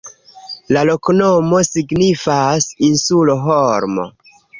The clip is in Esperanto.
La loknomo signifas: insulo-holmo.